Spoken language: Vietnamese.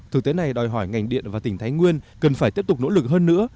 thực tế này đòi hỏi ngành điện và tỉnh thái nguyên cần phải tiếp tục nỗ lực hơn nữa